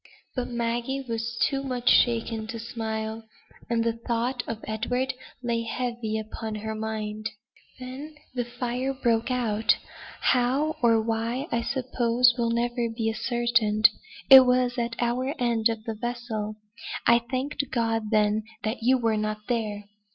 But Maggie was too much shaken to smile; and the thought of Edward lay heavy upon her mind. "Then the fire broke out; how, or why, I suppose will never be ascertained. It was at our end of the vessel. I thanked God, then, that you were not there.